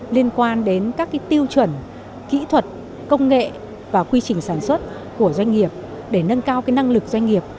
liên quan đến các tiêu chuẩn kỹ thuật công nghệ và quy trình sản xuất của doanh nghiệp để nâng cao năng lực doanh nghiệp